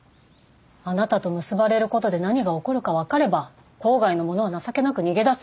あなたと結ばれることで何が起こるか分かれば島外の者は情けなく逃げ出す。